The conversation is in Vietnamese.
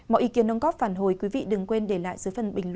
mọi ý kiến đồng góp phản hồi quý vị đừng quên để lại